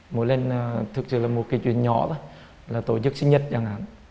mỗi lần thực sự là một kỳ chuyện nhỏ thôi là tổ chức sinh nhật chẳng hạn